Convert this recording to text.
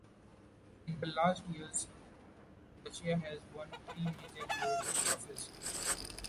In the last years Russia has won three major European trophies.